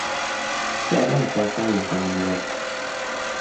Se habla en casa y en comunidad.